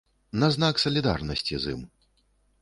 На знак салідарнасці з ім.